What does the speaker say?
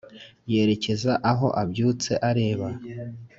yerekeza aho abyutse areba.